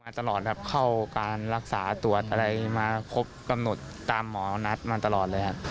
มาตลอดแล้วการรักษาตรวจอะไรมาคบกำหนดตามหมอนัฐมาตลอดเลยฮะ